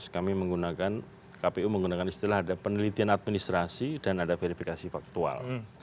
kami menggunakan kpu menggunakan istilah ada penelitian administrasi dan ada verifikasi faktual